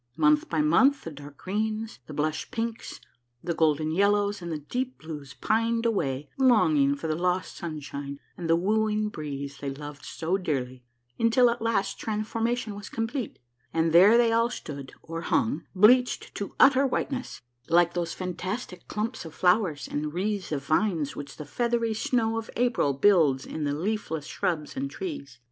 Month by month the dark greens, the blush pinks, the golden yellows, and the deep blues pined away, longing for the lost sunshine and the wooing breeze they loved so dearly, until at last the transforma A MARVELLOUS UNDERGROUND JOURNEY 69 tion was complete, and there they all stood or hung bleached to utter whiteness, like those fantastic clumps of flowem and wreaths of vines which the feathery snow of April builds in the leafless shrubs and trees.